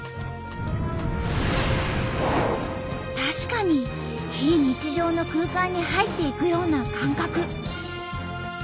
確かに非日常の空間に入っていくような感覚。